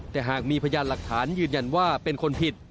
แต่หากมีพยานหลักฐานยืนยันว่าเป็นคนผิด